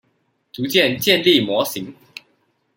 逐漸建立模型